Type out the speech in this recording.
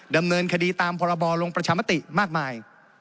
ดำเนินคดีตามพรบลงประชามติมากมาย